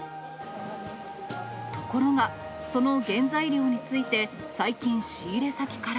ところが、その原材料について、最近、仕入れ先から。